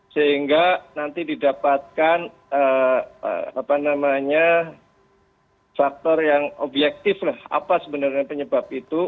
sehingga nanti didapatkan faktor yang objektif lah apa sebenarnya penyebab itu